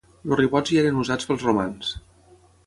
Els ribots ja eren usats pels romans.